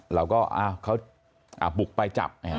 เราก็เขาบุกไปจับ